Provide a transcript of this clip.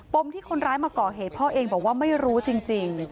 มที่คนร้ายมาก่อเหตุพ่อเองบอกว่าไม่รู้จริง